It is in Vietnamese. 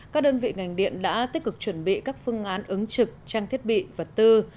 các đơn vị ngành điện đã tích cực chuẩn bị các phương án ứng trực trang thiết bị và tư